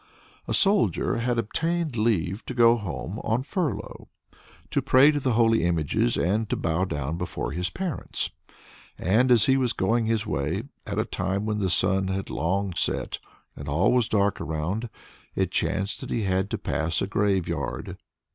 A soldier had obtained leave to go home on furlough to pray to the holy images, and to bow down before his parents. And as he was going his way, at a time when the sun had long set, and all was dark around, it chanced that he had to pass by a graveyard.